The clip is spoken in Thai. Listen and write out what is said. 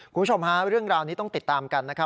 คุณผู้ชมฮะเรื่องราวนี้ต้องติดตามกันนะครับ